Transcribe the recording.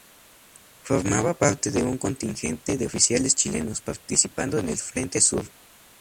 Formaba parte de un contingente de oficiales chilenos, participando en el "Frente Sur".